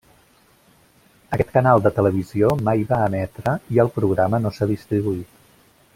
Aquest canal de televisió mai va emetre i el programa no s'ha distribuït.